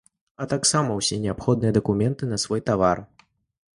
А таксама ўсе неабходныя дакументы на свой тавар.